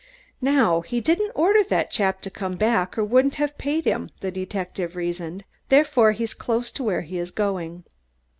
"Now, he didn't order that chap to come back or he wouldn't have paid him," the detective reasoned. "Therefore he's close to where he is going."